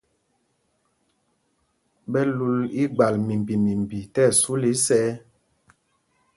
Ɓɛ lǔl igbal mimbi mimbi tí ɛsu lɛ́ isɛɛ.